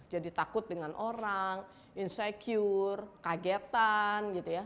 jadi takut dengan orang insecure kagetan gitu ya